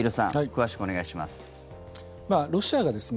詳しくお願いします。